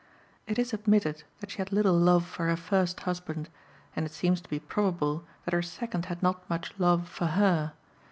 It is admitted that she had little love for her first husband, and it seems to be probable that her second had not much love for her.